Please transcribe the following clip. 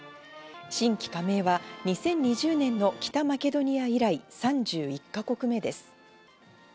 新規加盟は２０２０年の北マケドニア以来、３１か国目です。